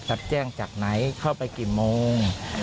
รับแจ้งจากไหนเข้าไปกี่โมง